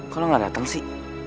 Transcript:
kok lo gak datang sih